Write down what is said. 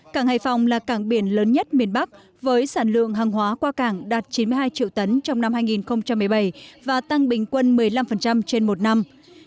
cảng hải phòng là cảng biển lớn nhất miền bắc với sản lượng hàng hóa qua cảng đạt chín mươi hai triệu tấn trong năm hai nghìn một mươi bảy và tăng bình quân một mươi năm trên một năm